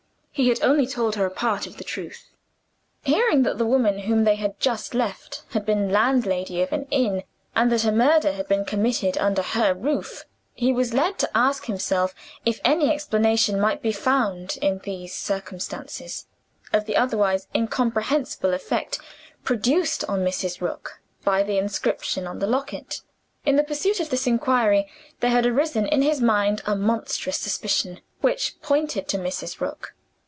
He had only told her a part of the truth. Hearing that the woman whom they had just left had been landlady of an inn, and that a murder had been committed under her roof, he was led to ask himself if any explanation might be found, in these circumstances, of the otherwise incomprehensible effect produced on Mrs. Rook by the inscription on the locket. In the pursuit of this inquiry there had arisen in his mind a monstrous suspicion, which pointed to Mrs. Rook.